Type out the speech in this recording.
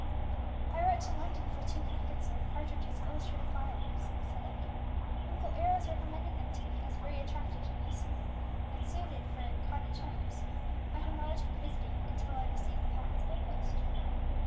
"I wrote to London for two packets of Partridge's illustrated fly leaves," said Emmie. "Uncle Arrows recommended them to me as very attractive and useful, and suited for cottage homes. I shall not attempt visiting until I receive the packets by post."